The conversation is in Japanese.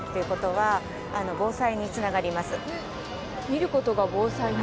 見ることが防災に？